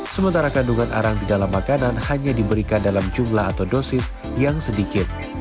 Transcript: sementara kandungan arang di dalam makanan hanya diberikan dalam jumlah atau dosis yang sedikit